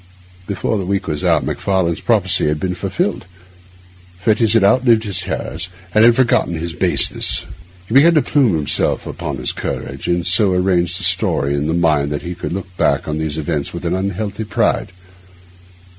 Before the week was out Macfarlane's prophecy had been fulfilled. Fettes had outlived his terrors and had forgotten his baseness. He began to plume himself upon his courage, and had so arranged the story in his mind that he could look back on these events with an unhealthy pride.